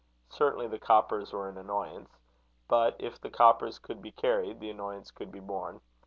Certainly the coppers were an annoyance; but if the coppers could be carried, the annoyance could be borne.